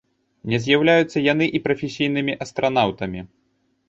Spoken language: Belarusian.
Не з'яўляюцца яны і прафесійнымі астранаўтамі.